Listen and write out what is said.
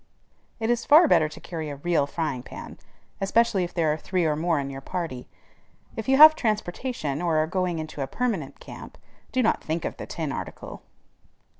It is far better to carry a real frying pan, especially if there are three or more in your party. If you have transportation, or are going into a permanent camp, do not think of the tin article.